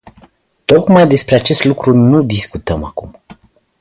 Tocmai despre acest lucru nu discutăm acum.